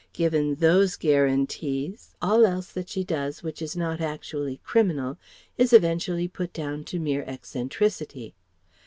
Given those guarantees, all else that she does which is not actually criminal is eventually put down to mere eccentricity.